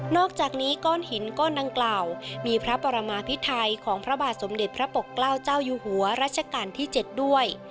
อกจากนี้ก้อนหินก้อนดังกล่าวมีพระปรมาพิไทยของพระบาทสมเด็จพระปกเกล้าเจ้าอยู่หัวรัชกาลที่๗ด้วย